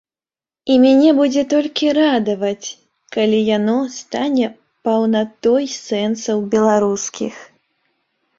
І мяне будзе толькі радаваць, калі яно стане паўнатой сэнсаў беларускіх.